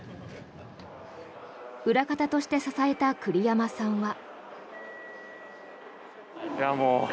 裏方として支えた栗山さんは。